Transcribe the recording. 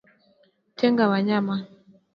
Tenga wanyama